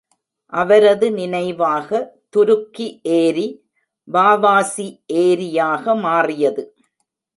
அவரது நினைவாக துருக்கி ஏரி வாவாசி ஏரியாக மாறியது.